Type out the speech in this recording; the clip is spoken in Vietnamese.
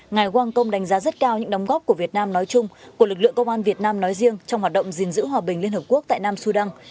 ngài quang công đánh giá rất cao những đóng góp của việt nam nói chung của lực lượng công an việt nam nói riêng trong hoạt động dình dữ hòa bình liên hợp quốc tại nam su đăng